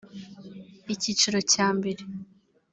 Icyiciro cya mbere